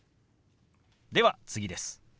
では次です。